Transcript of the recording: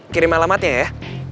kirim alamatnya ya